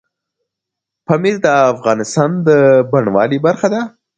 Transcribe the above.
پامیر د افغانستان د بڼوالۍ برخه ده.